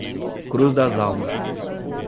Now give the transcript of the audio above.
Cruz das Almas